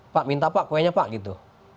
pak minta pak kuenya pak gitu